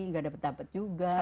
gak dapet dapet juga gitu